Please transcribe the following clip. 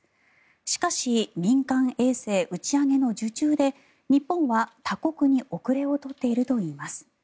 しかし民間衛星打ち上げの受注で日本は他国に後れを取っているといいます。